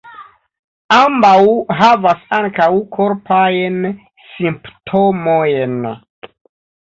Ambaŭ havas ankaŭ korpajn simptomojn.